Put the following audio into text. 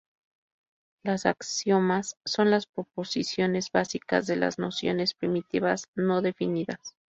Los axiomas son las proposiciones básicas de las nociones primitivas no definidas.